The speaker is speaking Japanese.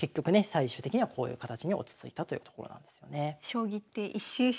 最終的にはこういう形に落ち着いたというところなんですよね。